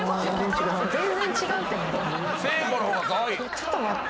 ちょっと待って。